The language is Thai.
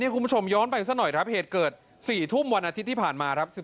คุณผู้ชมย้อนไปสักหน่อยเหตุเกิด๔ทุ่มวันอาทิตย์ที่ผ่านมา